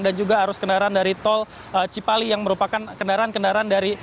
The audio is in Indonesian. dan juga arus kendaraan dari tol cipali yang merupakan kendaraan kendaraan dari